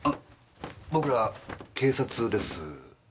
僕ら警察です。